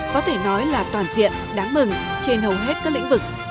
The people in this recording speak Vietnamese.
có thể nói là toàn diện đáng mừng trên hầu hết các lĩnh vực